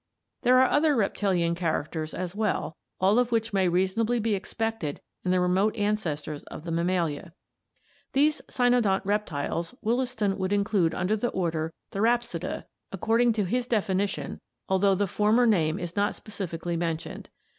There are other reptilian characters as well, all of which may reasonably be expected in the remote ancestors of the Mammalia. These cynodont reptiles Williston would include under the order Therapsida according to his definition, although the former name is not specific ally mentioned.